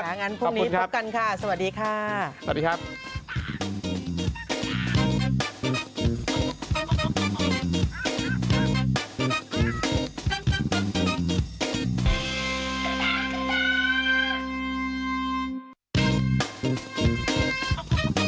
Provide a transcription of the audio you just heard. แล้วงั้นพรุ่งนี้พบกันค่ะสวัสดีค่ะ